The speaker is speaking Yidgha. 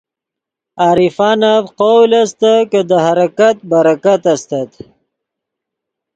عارفانف قول استت کہ دے حرکت برکت استت